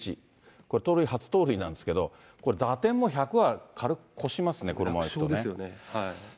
これ、盗塁初盗塁なんですけど、これ打点も１００は軽く越しますね、楽勝ですね。